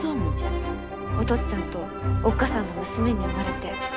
お父っつぁんとおっ母さんの娘に生まれて本当に幸せでした！